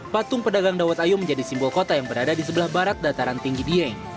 patung pedagang dawat ayu menjadi simbol kota yang berada di sebelah barat dataran tinggi dieng